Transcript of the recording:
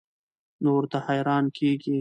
نو ورته حېران کيږي